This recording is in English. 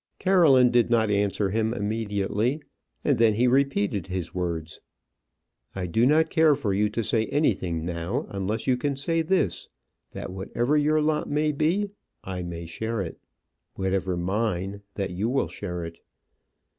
Caroline did not answer him immediately; and then he repeated his words. "I do not care for you to say anything now, unless you can say this that whatever your lot may be, I may share it; whatever mine, that you will share it."